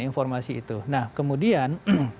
informasi itu nah kemudian